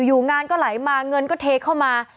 อยู่งานก็ไหลมาเงินก็เทเข้ามา